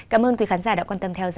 cảm ơn quý khán giả đã quan tâm theo dõi